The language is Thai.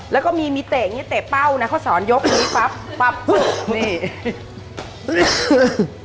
แล้วก็มีเตะเตะเป้านะเขาสอนยกนี้ปั๊บปั๊บปุ๊บนี่